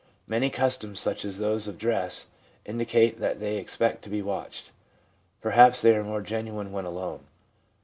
Many customs, such as those of dress, indicate that they expect to be watched. Perhaps they are more genuine when alone.